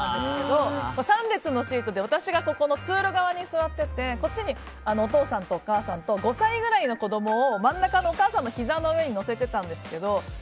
３列のシートで私が通路側に座っていてこっちにお父さんとお母さんと５歳ぐらいの子供を真ん中のお母さんの膝の上に乗せてたんですよ。